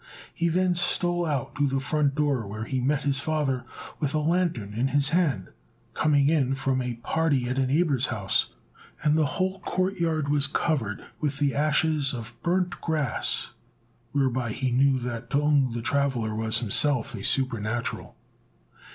He then stole out to the front door, where he met his father with a lantern in his hand, coming in from a party at a neighbour's house; and the whole court yard was covered with the ashes of burnt grass, whereby he knew that T'ung the traveller was himself a supernatural.